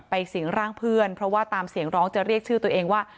สิงร่างเพื่อนเพราะว่าตามเสียงร้องจะเรียกชื่อตัวเองว่า